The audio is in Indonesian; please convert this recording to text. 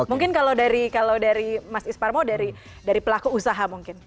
mungkin kalau dari mas isparmo dari pelaku usaha mungkin